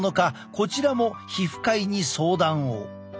こちらも皮膚科医に相談を。